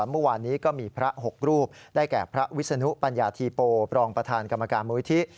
เมื่อวานนี้ก็มีพระ๖รูปได้แก่พระวิศนุปัญญาธีโปรองประธานกรรมการมูลิธิ